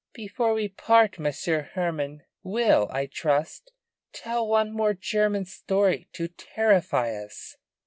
"Before we part, Monsieur Hermann will, I trust, tell one more German story to terrify us?"